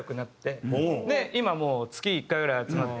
で今もう月１回ぐらい集まって。